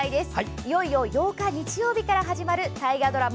いよいよ８日、日曜日から始まる大河ドラマ